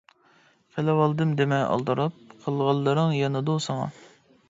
قىلىۋالدىم دېمە ئالدىراپ، قىلغانلىرىڭ يانىدۇ ساڭا.